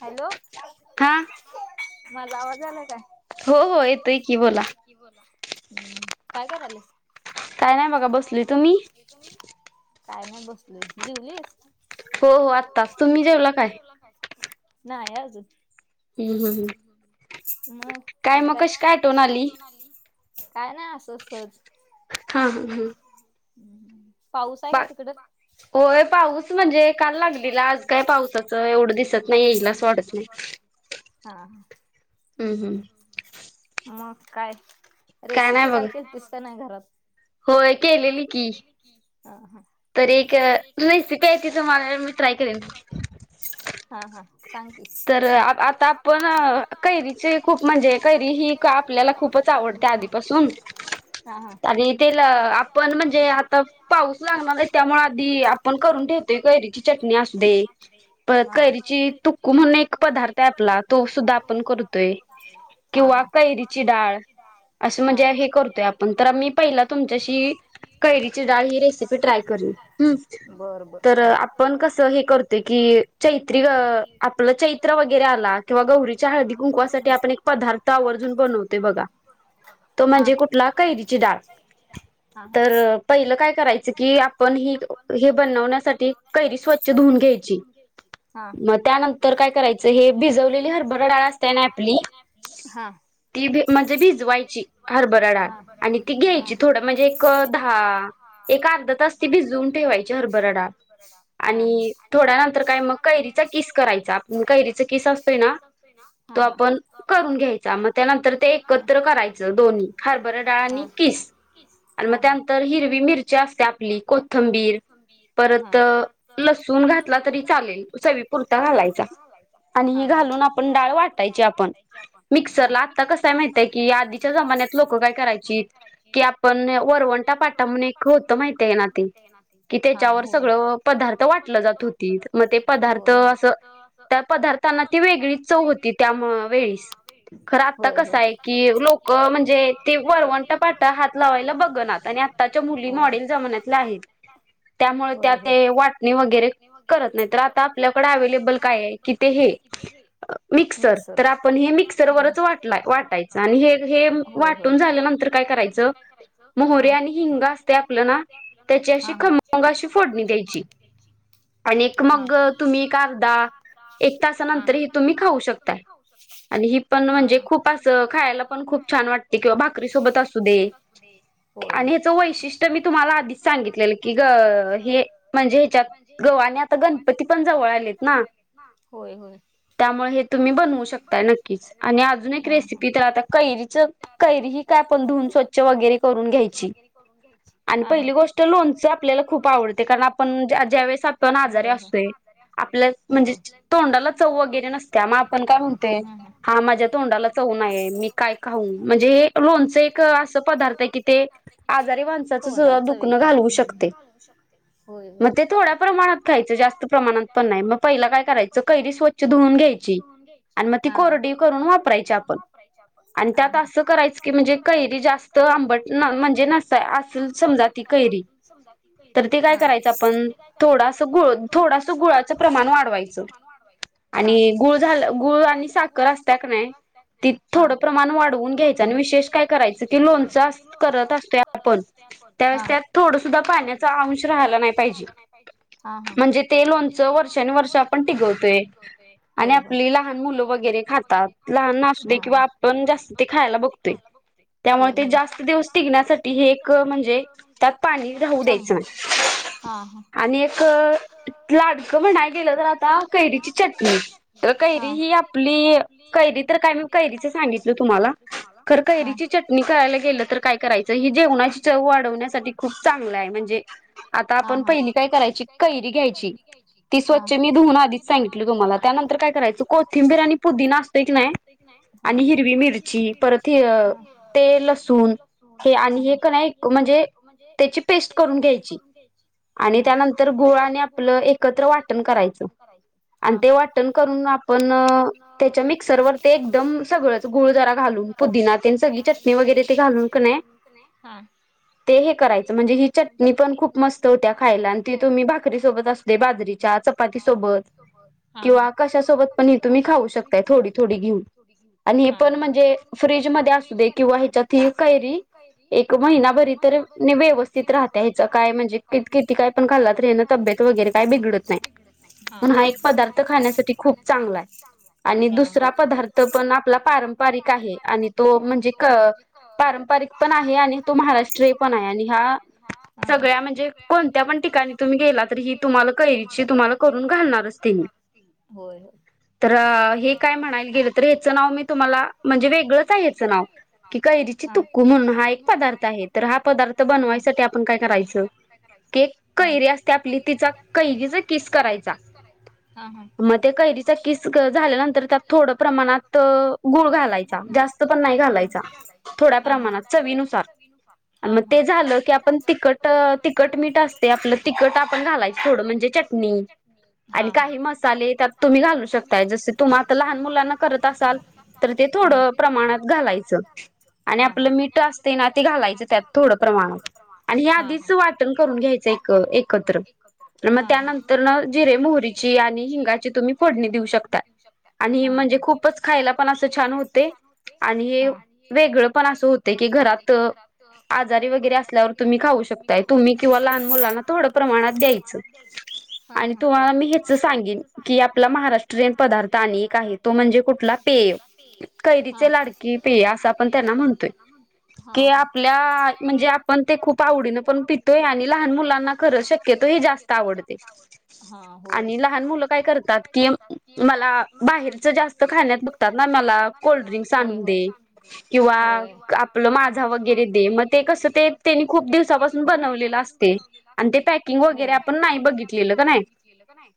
hello मला आवाज आला काय हो हो य की बोला हम्म काय करालस काय नाही बघा बसल तुम्ही काय नाही बसलय जेवलीस हो हो आत्ताच तुम्ही जे व नाही अजून हम्म हम्म हम् मग आणि काय का मग कशी काय तोनली काय नाही असं सज हा हा हम् हम्म बा होय पाऊस म्हणजे काल लागलीला आज काय पाऊसात एवढं दिसत नाही येईलस वाढत नाही हम् हम्म मग काय रेसिपी काय के दिस का नाही घरात होय केलेली की तर एक रेसिपी आहे ती तुम्हाला मी ट्राय करेन ह तर आता आपण कैरीचे खूप म्हणजे कैरी ही आपल्याला खूपच आवडते आधीपासून आणि तेला आपण म्हणजे आता पाऊस लाग मग आहे त्यामुळे आधी आपण करून ठेेतोय कैरीची चटणी अस दे प कैरीची तुकू म्हणून एक पदार्थ आहे आपला तो सुद्धा आपण करतोय किंवा कै तिरची डाळ असं म्हणजे हे करतोय आपण तर म्ी पहिला तुमच्याशी कैरीची डाळ ही रेसिपी ट्राय कर तर आपण कस हे करत की चैत्री आपलं चैत्र वगैरे आला किंवा गौरीच्या हळदी कुंकवासाठी आपण एक पदार्थ आवत अजून बनवते बघा तो म्हणजे कुठला कैरीची डाळ तर पहिलं काय करायचं कि आपण ही हे बनवण्यासाठी कैरी स्वच्छ धुऊून घ्यायची मग त्यानंतर काय करायचं हे भिजवलेली हरभरा डाळ असतय ना आपली ती भि म्हणजे भिजवायची हरभरा डाल आणि ती घ्यायची थोडं म्हणजे एक दहा एक अर्ध तास ती भिजून ठेवायची हरभरडा आणि थोड्या ना थोड्या नंतर काय मग कैरीचा किस करायचा कैरीचा किस असतोय ना आपण मग त्यानंतर ते एकत्र करायच दोन् हरभर डाळ आणि किस आणि मग त्यानंतर मिब घ घातला तरी ंडा घालायचा ही घालून आपण डाळ वाटायची आपण मिक्सरला आता कसय माहितय की आधीच्या जमान्यात लोक काय करायची की आपण वरवण ा पाटा म्हणे एक खूत्त माहित आहे ना मा मग ते पदार्थ अस त्या पदार्थांना ती वेगळीच चव होती त्या वेळी खर आता कस आहे की लोक म्हणजे ते वरवंट पाठ हात लावायला बघ आनी आत्ताच्या मुली मॉडेल जमण्याच्या आहेत त्यामुळे ते वाटणी वगैरे त नाही आ आपल्याक अ काय म्र आप हे मिक्सररच वा वाटायच आणि वाटून झाल्यानंतर काय करायचं मोहरे आणि हिंग असते आपलं ना त्याची अशी खमंग अशी फोडणी द्यायची आणि मग तुम्ही एक अर्धा एक तासानंतरही तुम्ही खाऊ शकताय आणि ही पण म्हणजे खूप असं खायला पण खूप छान वाटते किंवा भाकरी सोबत असू दे आणि ह्याचं वैशिष्ट्य मी तुम्हाला आधीच सांगित की ग म्हणजे ह्याच्यात ग आता गणपती पण जवळ आलेत ना होय होय त्यामुळे हे तुम्ही बनवू शकताय नक्कीच आणि अजून एक रेसिपी तर आता कैरीच कैरी ह काण धून स्वच्छ वगैरे करून घ्यायची आणि पहिली गोष्ट लोनच आपल्याला खूप आवडते कारण आपण ज्यावेेळेस आपण आजारी असतो आपल्या म्हणजे तोंडाला चव वगैरे नसत मग आपण काय म्हणते हा माझ्या तोंडाला च मी काय ख म्हणजे लोणच एक अस पदार्थ की ते आजारी माण सगळं दुखन घालावू शकतय म ते थोडा प्रमाणात खायचं जास्त प्रमाणात पण नाही मग पहिला काय करायचं कैरी स्वच्छ धुवून घ्यायची [inaudible] त आंबट म्हणजे न म्हणजे नसय समजा ती कैरी तर ते काय कराय थोड गुळाच प्रमाण वाढवाच आणि ग झा ग साखर असत का नाही ती थोडं प्रमाण वाढवून घ्यायचं आणि विशेष काय करायचं की लोणचं अस तम करत असते त्यावेळेस त्यात थोडं सुद्धा पाण्याचा अंश राहाला नाही पाहिजे हा हा म्हणजे ते लोनच वर्षानु वर्ष आपण टिकवतोय होय आणि आपली लहान खात ल किंवा आपण जास्त खायला बघतोय त्यामुळे जास्त दिव टघण्यासाठी एक म्हणजे त्यात पाणी राहू द्यायचं आणि आणि एक लाडक म्हणा गलं तर आता कैरीची चटणी कैरी कैरी तर काय कैरी सांगित तुम्हा कै चट करायला गे करा जेवणाची च वाढण्या खप चांग म्हणजे आ आपण पहि काय ची कैरी घायची ती स्वच्छ नी धुवायची मी अगोदरच सांगितलं तुम्हाला पुदी नात की नाही आणि हिरवी मिरची परत ते लसूण म्हण त्याची पे करून घ्या आणि त्यानंतर गोळा्याने आपलं एकत्र वाटण करायचं आणि ते वाटण करून आपण त्याच्या मिक्सर वर ते एकदम सगळंच गुळ जरा घालून पुदिनातेन सगळी चटणी वगैरे ते घालून हा ते हे करायचं म्हणजे ही चटणी पण खूप मस्त होत्या खायला आणि त तुम्ही भाकरी सोबत अस बाजरीच्या चपाती सोबत किंवा कशोत पण तमही खा ण मरी ववितह काय म्हणेिती काय ती का पण खाल् तब वगैरे का बिगडत नाही प हा एक पदार्थ खाण्या ख आणि दुसरा पदार्थ पण आपला पारंपरिक आहे आणि तो म्हणजे क पारंपरिक पण आहे आणि तो महाराष्ट्रीय पण आहे आणि ह्या सगळ्या म्हणजे कोणत्या पण ठिकाणी तुम्ही गेला तर ही तुम्हाला कैरीची तुम्हाला करून घालणारच त मी तर हे काय म्हणायला गेलं तर हचं नाव मी तुम्हाला म्हणजे वेगळंच आहे हचं नाव की काही जि तुकू म्हणून हा एक पदार्थ आहे तर हा पदार्थ बनवायसाठी आपण काय करायचं केक कैरी असते आपली तिचा कैरीचा किस करायचा ह हां मग ते कैरीचा किस झाल्यानंतर त्यात थोडं प्रमाणात गुळ घालायचा जास्त पण नाही घालायचा थोड्या प्रमाणात चवीनुसार आणि मग ते झालं की आपण तिकट तखट मीट म असत तुम्ही लागू शकताय जस तुम्हा लहान रपाना चालत असाल तर ते थोडं प्रमाणात घलायचं आणि आपलं मीठ असते ना ते घालायच त्यात थोड प्रमाणात आणि हे आधीच वाटण करून घ्या एक एकत्र मग त्यानंतर न जिरे मोहरीची आणि हिंगाची तुम्ही फोडणी देऊ शकता आणि म्हणजे आणि म्हणजे खूपच खायला पण अस छान होते आणि वेगळं पण असं होते ल मुलाना थोड प्रमाणात द्यायच आणि तुम्हाला मी हेच सांगेन की आपला महाराष्ट्रीयन पदार्थ अ एक आहे तो म्हणजे कुठला कुठला पे प अस आपण त्यांना म्हणतोय की आपल्या म्हणजे आपण ते खूप आवडीन पण पितो लक ल कि मला बाहेरच जास्त खाण्यात बघतात ना मला कोल्ड्रिंक्स आणून दे किंवा आपलं माझा वगैरे दे मग ते कस ते त्यांनी खूप दिवसापासून ब दिवसापासून बनवलेलं असते पॅकिंग वगैरे आपण नाही बघितलेलं का नाही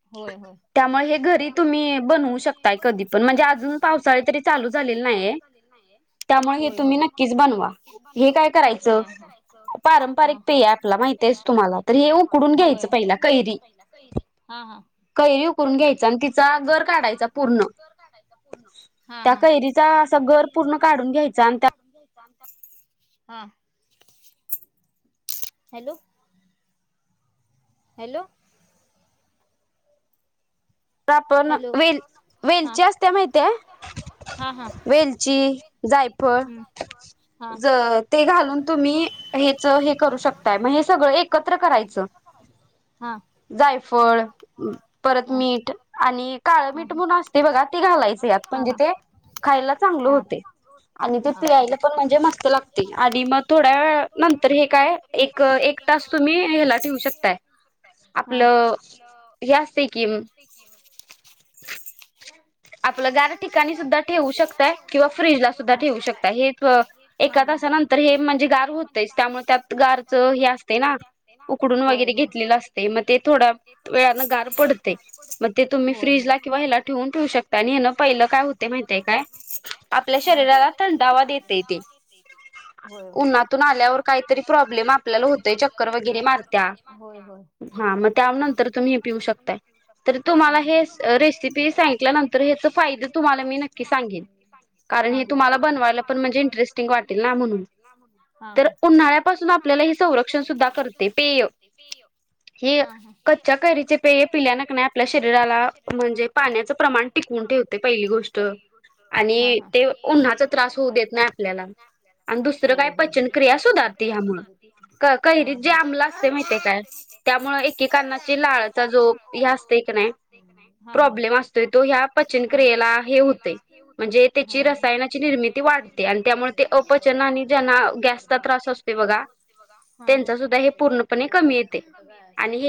त्यामुळे हे घरी तुम्ही बनवू शकताय कधी पण म्हणजे अजून पावसाळी तरी चालू झालेले नाहीय त्यामुळे हे तुम्ही न त ब प आप माहित तुम्हाला पुून घ्यायचं पहि कैरी कैरी उकरून घ्यायचा आणि तिचा घर काढायचा पूर्ण त्या कैरीचा र पूर्ण काढून घ्यायचं आणि त्या हा हॅलो हॅलो तर आपण वेल वेलची असते माहितीय वेलची जायफळ ज ते घालून तुम्ही हेच हे करू शकताय मग हे सगळं एकत्र करायचं ह जायफळ परत मीठ आणि काळ मीठ म्हणून असते बघा ती घालायच यात म्हणजे ते खायला चांगल होते आणि ते पियायला पण म्हणजे मस्त लागते आणि मग थोड्या वेळ नंतर हे काय एक तुम् ठे शकता आप आपलं यापैकी म्ह आपलं गार ठिकाणी सुद्धा ठेवू शकताय किंवा फ्रीजला सुद्धा ठेवू शकता हे एका अस नंतर हे म्हणजे गार होत त्यामुळे त्यात गारच हे असतं ना उकडून वगैरे घेतलेलं असत ते मग ते थोड्या वेळानें गार पडते मग ते तुम्ही फ्रीज ला किंवा हिला ठेवून ठेऊू शकता ऊ शक आणि पहि काय होते काय आपल्या शरीराला फदावा देते क उन्हून आल्यावर काहीतरी प्रॉब्लेम आपल्याला वगरे त्यानंतर तुम्ही हे पिऊ शकता तर तुम्हाला हे रेसिपी सांगल्यानंतर उन्हाळ्यापून आपल्या संणतेय हे कच्च्या करीचे पेय हे पिल्यान नाही आपल्या शरीराला म्हणजे पाण्याचं प्रमाण प गो त आपल्या होय होय हा ह नाही प्रॉब्लेम अस चन क्रियेला हे होते म्हणजे त्याची रसायनाची निर्मिती वाढते आणि त्यामुळे अचन त प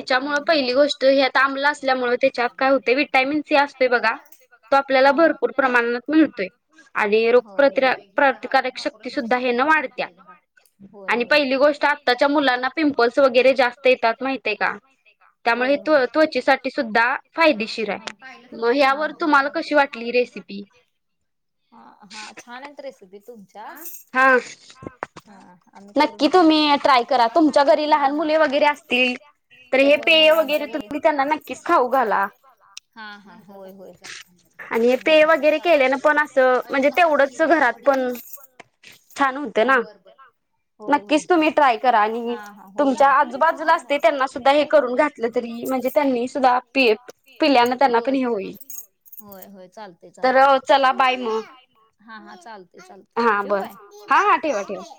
त्याच्यामुळे पहिली गोष्ट हत आंबलं असल्यामुळे त्याच्यात काय होते विटॅमिन सी असतेय बघा तो आपल्याला भरपूर प्रमाणात मिळतोय आणि रोग प्रत प्रतिकारक शक्ती सुद्धा पहि गो आ मुं पिंप वरतेत त्यामुळे त्वचेसाठी सुद्धा फायदेशीर आहे म हवर हा हा छानंतरे सुध तुम हा आम्ही करून बघी नाही सांगिता पेय वर तुम् त्यां नक्च खाऊ घाला हा हा होय होय हा बरोबर नक्कीच तुम्ही ट्राय करा आणि तुमच्या आजूबाजूला असते त्यांना सुधा हे करून घातलं तरी म्हणजे त्यांनी सुधा प पिल्यान त्यांना पण हे होईल य होय चालते चालते हा हा चालते चाल ठव का